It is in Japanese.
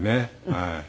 はい。